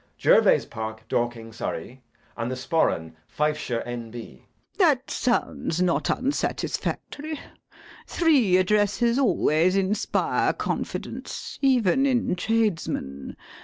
Gervase Park, Dorking, Surrey; and the Sporran, Fifeshire, N.B. LADY BRACKNELL. That sounds not unsatisfactory. Three addresses always inspire confidence, even in tradesmen.